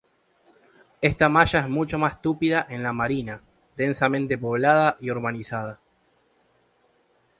Esta malla es mucho más tupida en La Marina, densamente poblada y urbanizada.